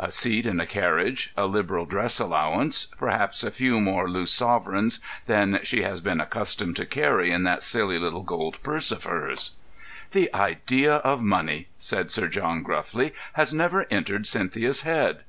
A seat in a carriage, a liberal dress allowance, perhaps a few more loose sovereigns than she has been accustomed to carry in that silly little gold purse of hers! "The idea of money," said Sir John gruffly, "has never entered Cynthia's head."